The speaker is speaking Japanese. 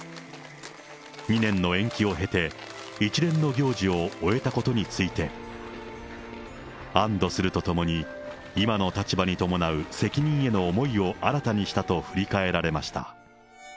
２年の延期を経て、一連の行事を終えたことについて、安どするとともに、今の立場に伴う責任への思いを新たにしたと振り返られました。